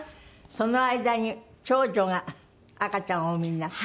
その間に長女が赤ちゃんをお産みになった？